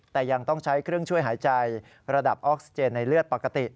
แต่ยังต้องใช้เครื่องช่วยหายใจระดับออกซิเจนในเลือดปกติ